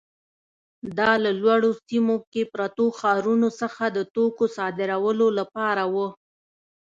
دا له لوړو سیمو کې پرتو ښارونو څخه د توکو صادرولو لپاره وه.